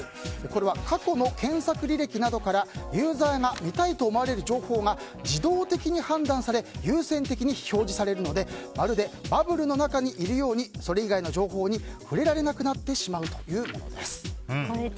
これは過去の検索履歴などからユーザーが見たいと思われる情報が自動的に判断され、優先的に表示されるのでまるでバブルの中にいるようにそれ以外の情報に触れられなくなってしまうというものです。